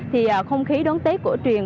thì không khí đón tết của truyền